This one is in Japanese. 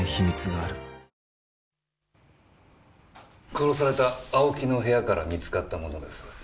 殺された青木の部屋から見つかったものです。